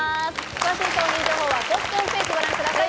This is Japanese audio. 詳しい商品情報は公式ホームページをご覧ください。